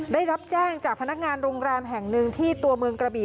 ได้รับแจ้งจากพนักงานโรงแรมแห่งหนึ่งที่ตัวเมืองกระบี่